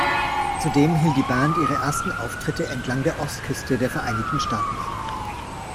Zudem hielt die Band ihre ersten Auftritte entlang der Ostküste der Vereinigten Staaten ab.